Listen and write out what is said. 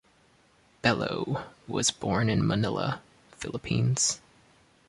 Bello was born in Manila, Philippines.